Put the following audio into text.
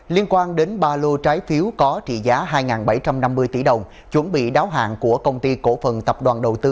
liên quan đến ba lô trái phiếu có trị giá hai bảy trăm năm mươi tỷ đồng chuẩn bị đáo hạng của công ty cổ phần tập đoàn đầu tư